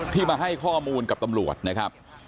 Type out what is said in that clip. ที่มาให้ข้อมูลกับตำรวจนะครับ